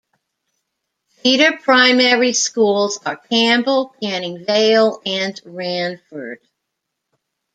Feeder primary schools are Campbell, Canning Vale and Ranford.